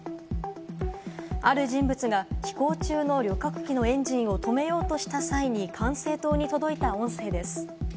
ある人物が飛行中の旅客機のエンジンを止めようとした際に管制塔に届いた音声です。